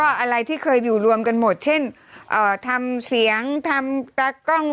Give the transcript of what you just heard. อะไรที่เคยอยู่รวมกันหมดเช่นเอ่อทำเสียงทำตากล้อง